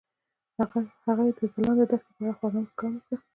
هغې د ځلانده دښته په اړه خوږه موسکا هم وکړه.